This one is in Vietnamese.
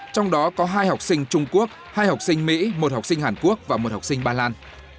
trong đó có hai học sinh trung quốc hai học sinh mỹ một học sinh hàn quốc và một học sinh ba lan